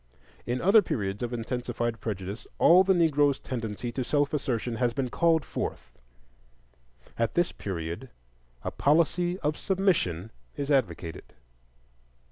In other periods of intensified prejudice all the Negro's tendency to self assertion has been called forth; at this period a policy of submission is advocated.